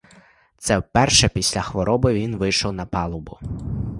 Це вперше після хвороби він вийшов на палубу.